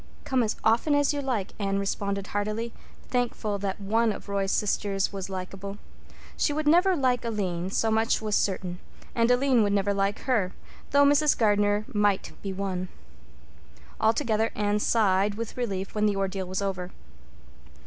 "Come as often as you like," Anne responded heartily, thankful that one of Roy's sisters was likable. She would never like Aline, so much was certain; and Aline would never like her, though Mrs. Gardner might be won. Altogether, Anne sighed with relief when the ordeal was over.